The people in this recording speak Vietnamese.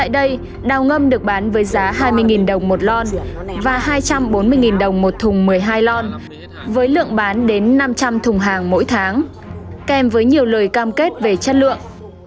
tại đây đào ngâm được bán với giá hai mươi đồng một lon và hai trăm bốn mươi đồng một thùng một mươi hai lon với lượng bán đến năm trăm linh thùng hàng mỗi tháng kèm với nhiều lời cam kết về chất lượng